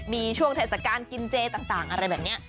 มีช่วงเทศกาลกินเจต่างอะไรแบบนี้